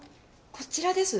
こちらです。